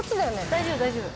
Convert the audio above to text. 大丈夫大丈夫。